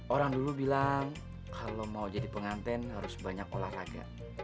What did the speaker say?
orang dulu bilang kalau mau jadi penganten harus banyak olahraga